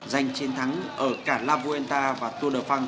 giành chiến thắng ở cả la fuenta và tour de france